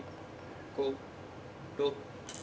５６。